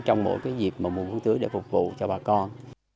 trong mỗi dịp mùa quân tưới để phục vụ cho bà con